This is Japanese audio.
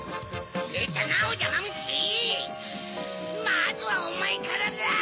まずはおまえからだ！